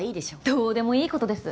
どうでもいいことです。